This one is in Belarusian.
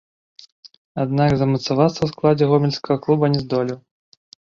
Аднак замацавацца ў складзе гомельскага клуба не здолеў.